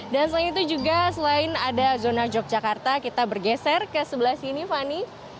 dan selain itu juga selain ada zona yogyakarta kita bergeser ke sebelah sini fani